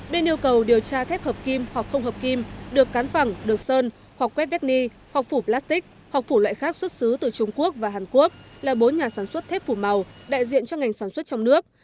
bên yêu cầu điều tra thép hợp kim hoặc không hợp kim được cán phẳng được sơn hoặc quét vecny hoặc phủ plastic hoặc phủ loại khác xuất xứ từ trung quốc và hàn quốc là bốn nhà sản xuất thép phủ màu đại diện cho ngành sản xuất trong nước